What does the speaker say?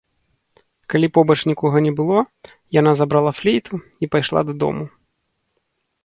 Калі побач нікога не было, яна забрала флейту і пайшла дадому.